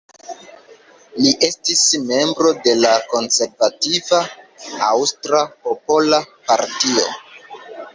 Li estis membro de la konservativa Aŭstra Popola Partio.